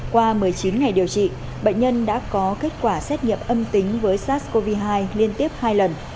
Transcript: qua một mươi chín ngày điều trị bệnh nhân đã có kết quả xét nghiệm âm tính với sars cov hai liên tiếp hai lần